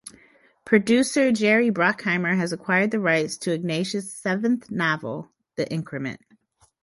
Producer Jerry Bruckheimer has acquired the rights to Ignatius's seventh novel, "The Increment".